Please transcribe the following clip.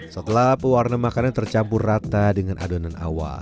setelah pewarna makanan tercampur rata dengan adonan awal